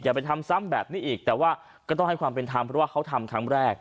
ไปทำซ้ำแบบนี้อีกแต่ว่าก็ต้องให้ความเป็นธรรมเพราะว่าเขาทำครั้งแรก